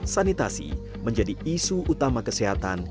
sanitasi menjadi isu utama kesehatan